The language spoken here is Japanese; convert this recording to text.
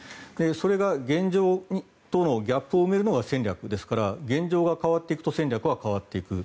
それが現状とのギャップを埋めるのが戦略ですから現状が変わっていくと戦略は変わっていく。